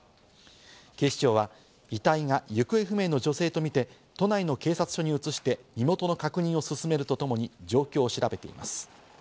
警視庁は遺体が行方不明の女性とみて、都内の警察署に移して、身元の確認を進めるとともに状況を調べています。